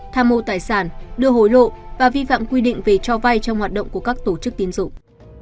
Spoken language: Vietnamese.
tham mô tài sản đưa hối lộ và vi phạm quy định về cho vay trong hoạt động của các tổ chức tiến dụng